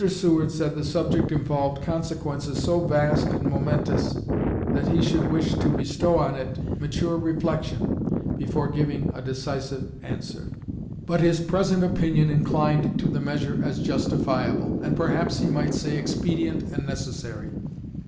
Seward said the subject involved consequences so vast and momentous that he should wish to bestow on it mature reflection before giving a decisive answer; but his present opinion inclined to the measure as justifiable, and perhaps he might say expedient and necessary.